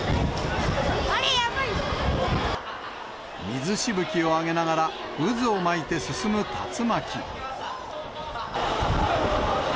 水しぶきを上げながら、渦を巻いて進む竜巻。